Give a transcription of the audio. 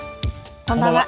こんばんは。